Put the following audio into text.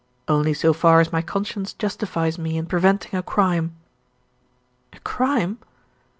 "Only so far as my conscience justifies me in preventing a crime." "A crime?"